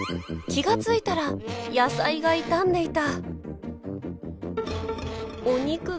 気が付いたら野菜が傷んでいた。